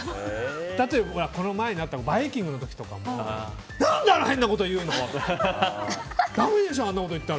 例えばこの前あった「バイキング」の時とか何であんな変なこと言うの！って。